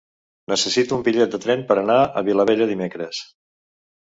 Necessito un bitllet de tren per anar a Vilabella dimecres.